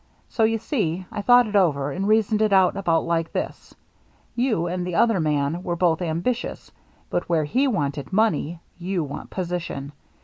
So, you see, I thought it over, and reasoned it out about like this : You and the other man were both ambitious, but where he wanted money, you want position.